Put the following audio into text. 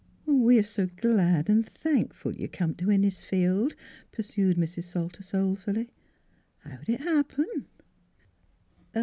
" We're s' glad an' thankful you come t' Innis field," pursued Mrs. Salter soulfully. u How'd it happen?